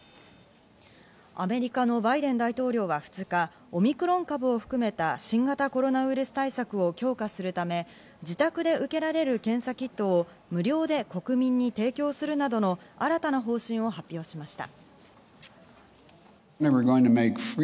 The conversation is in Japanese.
アメリカのバイデン大統領は２日、オミクロン株を含めた新型コロナウイルス対策を強化するため、自宅で受けられる検査キットを無料で国民に提供するなどの新たな方針を発表しました。